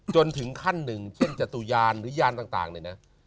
จนถึงขั้นหนึ่งเช่นจตุยานหรือยานต่างเนี่ยนะ